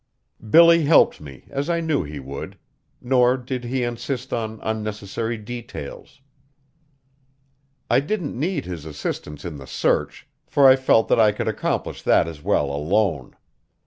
Billy helped me, as I knew he would; nor did he insist on unnecessary details. I didn't need his assistance in the search, for I felt that I could accomplish that as well alone.